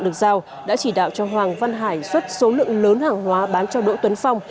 được giao đã chỉ đạo cho hoàng văn hải xuất số lượng lớn hàng hóa bán cho đỗ tuấn phong